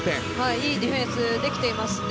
いいディフェンスをできていますね。